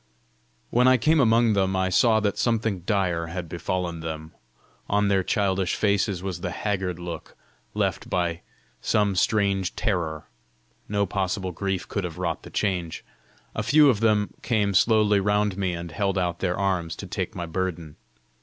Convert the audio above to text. When I came among them, I saw that something dire had befallen them: on their childish faces was the haggard look left by some strange terror. No possible grief could have wrought the change. A few of them came slowly round me, and held out their arms to take my burden.